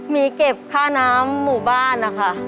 มีเก็บค่าน้ำหมู่บ้านนะคะ